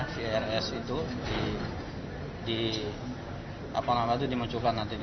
si rs itu dimunculkan nanti